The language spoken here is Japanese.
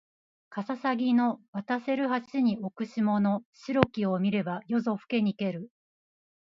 かささぎの渡せる橋に置く霜の白きを見れば夜ぞふけにける